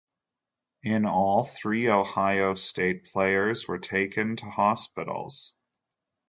In all, three Ohio State players were taken to hospitals.